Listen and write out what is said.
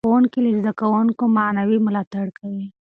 ښوونکي له زده کوونکو معنوي ملاتړ کوي.